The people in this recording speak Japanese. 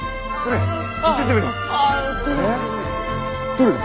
どれだ？